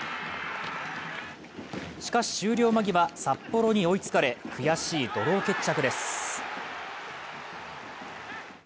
しかし終了間際、札幌に追いつかれ悔しいドロー決着です。